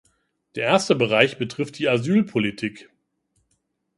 Der erste Bereich betrifft die Asylpolitik.